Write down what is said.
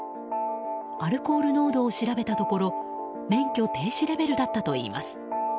アルコール濃度を調べたところ免許停止レベルだったといいます。